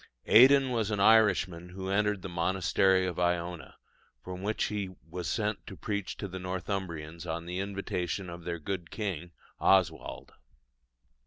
Aidan was an Irishman who entered the monastery of Iona, from which he was sent to preach to the Northumbrians on the invitation of their good king, Oswald.